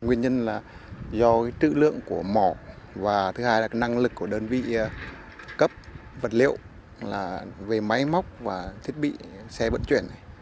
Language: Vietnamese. nguyên nhân là do trữ lượng của mỏ và thứ hai là năng lực của đơn vị cấp vật liệu về máy móc và thiết bị xe vận chuyển này